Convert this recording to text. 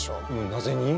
なぜに？